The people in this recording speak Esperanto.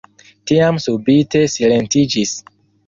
Tiam subite silentiĝis.